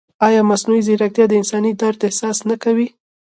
ایا مصنوعي ځیرکتیا د انساني درد احساس نه کوي؟